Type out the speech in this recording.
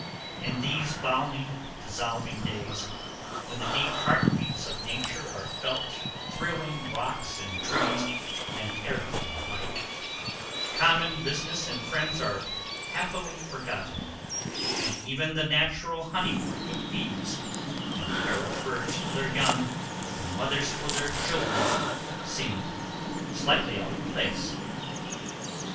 In these balmy, dissolving days, when the deep heart beats of Nature are felt thrilling rocks and trees and everything alike, common business and friends are happily forgotten, and even the natural honey work of bees, and the care of birds for their young, and mothers for their children, seem slightly out of place.